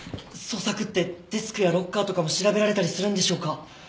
捜索ってデスクやロッカーとかも調べられたりするんでしょうか？